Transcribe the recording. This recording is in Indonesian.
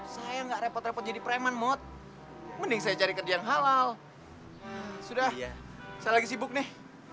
saya enggak repot repot jadi preman mod mending saya cari kerjaan halal sudah saya lagi sibuk nih